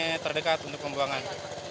ini terdekat untuk pembuangan